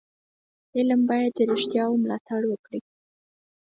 فلم باید د رښتیاو ملاتړ وکړي